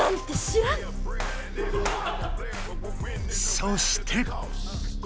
そして。